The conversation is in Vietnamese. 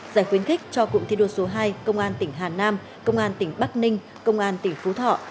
giải khuyến khích cho cụm thi đua số hai công an tỉnh hà nam công an tỉnh bắc ninh công an tỉnh phú thọ